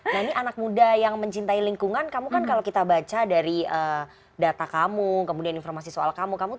nah ini anak muda yang mencintai lingkungan kamu kan kalau kita baca dari data kamu kemudian informasi soal kamu kamu tuh